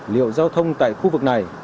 liệu giao thông tại khu vực này